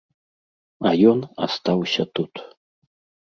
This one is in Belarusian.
А ён астаўся тут.